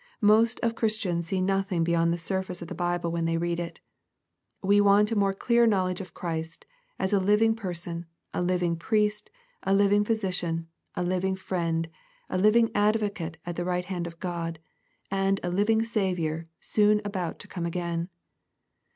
Most of Christians see nothing beyond the surface of the Bible when they read it. We want a more clear knowledge of Christ, as a living Person, a living Priest, a living Physician, a living Friend, a living Advocate at the right hand of God, and a living Saviour soon about to come again.